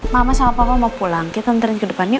mama sama papa mau pulang kita nantikan ke depan yuk